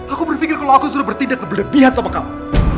aku berpikir kalau aku sudah bertindak berlebihan sama kamu